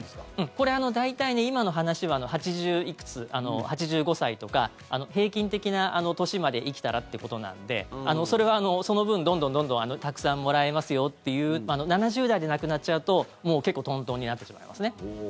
これ、大体今の話は８０いくつ、８５歳とか平均的な年まで生きたらということなのでそれはその分、どんどんどんどんたくさんもらえますよという７０代で亡くなっちゃうともう結構トントンになってしまいますね。